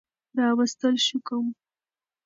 راوستل شو کوم